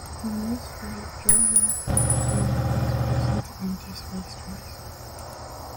On this flight, Joe Walker became the first person to enter space twice.